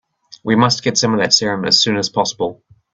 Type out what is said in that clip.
We must get some of that serum as soon as possible.